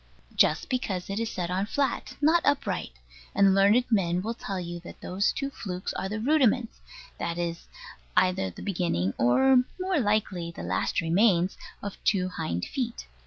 Just because it is set on flat, not upright: and learned men will tell you that those two flukes are the "rudiments" that is, either the beginning, or more likely the last remains of two hind feet.